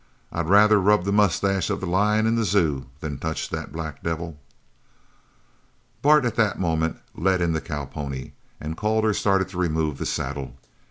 "I'd rather rub the moustache of the lion in the zoo than touch that black devil!" Bart at that moment led in the cowpony and Calder started to remove the saddle.